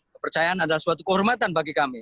kepercayaan adalah suatu kehormatan bagi kami